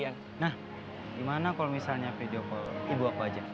nah gimana kalau misalnya video call ibu apa aja